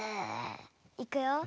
いくよ。